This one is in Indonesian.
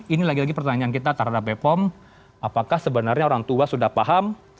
ini lagi lagi pertanyaan kita terhadap bepom